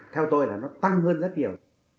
theo tôi là nó tăng hơn rất nhiều